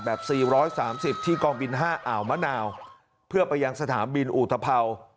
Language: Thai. แบบสี่ร้อยสามสิบที่กองบินห้าอ่าวมะนาวเพื่อไปยังสถานบินอุทธเผา